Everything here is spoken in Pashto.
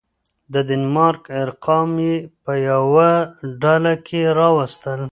د دنمارک ارقام يې په يوه ډله کي راوستل.